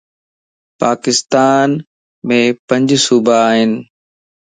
پاڪستان ءَ مَ پنج صوبا ائين